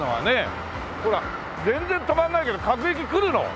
ほら全然止まらないけど各駅来るの？